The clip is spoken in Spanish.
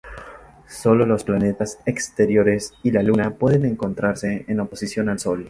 Sólo los planetas exteriores y la Luna pueden encontrarse en oposición al Sol.